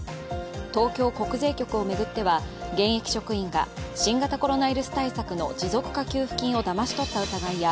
東京国税局を巡っては現役職員が新型コロナウイルスの持続化給付金をだまし取った疑いや、